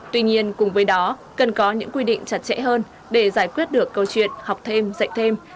tuy nhiên cùng với đó cần có những quy định chặt chẽ hơn để giải quyết được câu chuyện học thêm dạy thêm